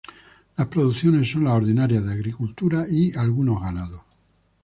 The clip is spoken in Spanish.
Las producciones son las ordinarias de agricultura y algunos ganados".